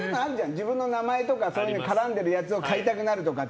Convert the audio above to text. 自分の名前とかそういうの絡んでるやつを買いたくなるっていうのは。